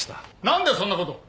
何でそんなことを？